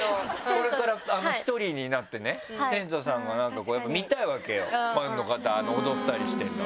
これから１人になってねセントさんがなんか見たいわけよファンの方は踊ったりしてるの。